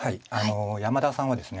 山田さんはですね